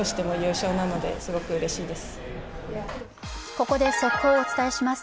ここで速報をお伝えします。